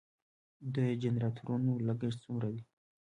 د جنراتورونو لګښت څومره دی؟